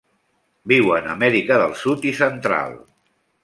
Viuen a Amèrica del Sud i Central.